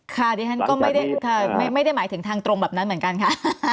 ดิฉันก็ไม่ได้หมายถึงทางตรงแบบนั้นเหมือนกันค่ะ